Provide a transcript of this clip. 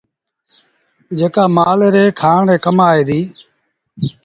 جيڪآ مآل ري کآڻ لآ ڪم آئي ديٚ۔